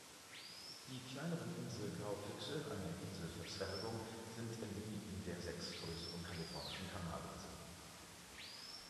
Die kleineren Insel-Graufüchse, eine Inselverzwergung, sind Endemiten der sechs größeren Kalifornischen Kanalinseln.